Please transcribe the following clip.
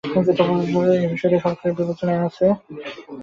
তিনি আরও বলেন, এ বিষয়টি সরকারের বিবেচনায় আছে।